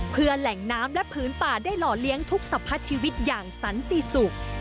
เพื่อแหล่งน้ำและผืนป่าได้หล่อเลี้ยงทุกสัมพัดชีวิตอย่างสันติสุข